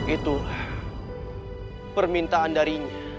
itu permintaan darinya